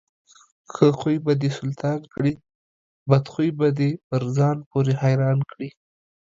ښه خوى به دسلطان کړي، بدخوى به دپرځان پورې حيران کړي.